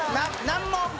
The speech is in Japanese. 難問？